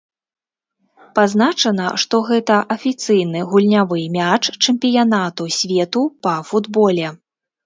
Пазначана, што гэта афіцыйны гульнявы мяч чэмпіянату свету па футболе.